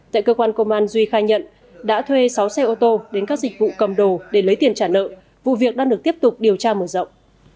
tại cơ quan công an duy khai nhận đã thuê sáu xe ô tô đến các dịch vụ cầm đồ để lấy tiền trả nợ vụ việc đang được tiếp tục điều tra mở rộng